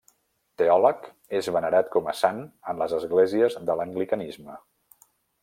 Teòleg, és venerat com a sant en les esglésies de l'anglicanisme.